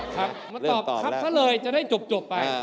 ครับมาตอบชับซะเลยจะได้จบไป